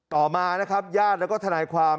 ต่อมานะครับญาติแล้วก็ทนายความ